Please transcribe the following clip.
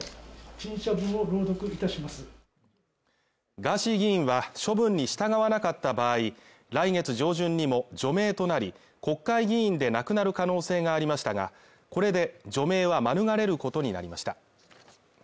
ガーシー議員は処分に従わなかった場合、来月上旬にも除名となり国会議員でなくなる可能性がありましたが、これで除名はまぬがれることになりました。